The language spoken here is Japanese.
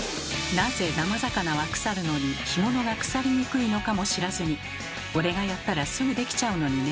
なぜ生魚は腐るのに干物が腐りにくいのかも知らずに「俺がやったらすぐできちゃうのにね」